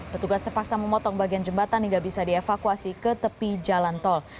petugas terpaksa memotong bagian jembatan hingga bisa dievakuasi ke tepi jalan tol